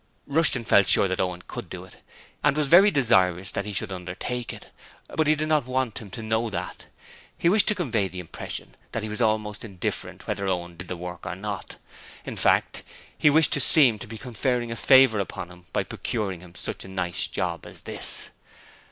Rushton felt sure that Owen could do it, and was very desirous that he should undertake it, but he did not want him to know that. He wished to convey the impression that he was almost indifferent whether Owen did the work or not. In fact, he wished to seem to be conferring a favour upon him by procuring him such a nice job as this.